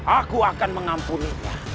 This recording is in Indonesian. aku akan mengampuni dia